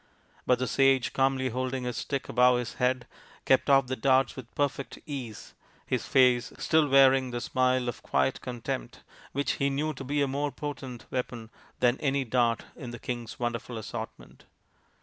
But the sage, calmly holding his stick above his head, kept off the darts with perfect ease, his face still wearing the smile of quiet contempt, which he knew io be a more potent weapon than any dart in the king's wonderful assortment.